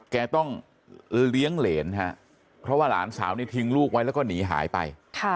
แกต้องเลี้ยงเหรนฮะเพราะว่าหลานสาวนี่ทิ้งลูกไว้แล้วก็หนีหายไป